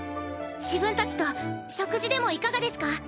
自分たちと食事でもいかがですか？